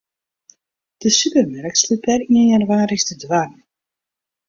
De supermerk slút per ien jannewaris de doarren.